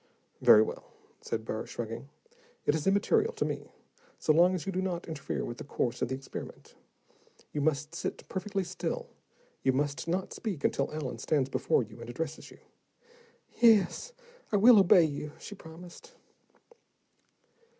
"Very well," said Burr, shrugging. "It is immaterial to me, so long as you do not interfere with the course of the experiment. You must sit perfectly still, you must not speak until Allen stands before you and addresses you." "Yes, I will obey you," she promised.